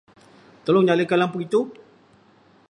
Tolong nyalakan lampu itu.